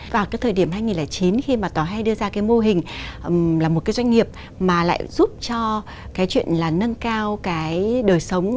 và cái thời điểm hai nghìn chín khi mà tòa hay đưa ra cái mô hình là một cái doanh nghiệp mà lại giúp cho cái chuyện là nâng cao cái đời sống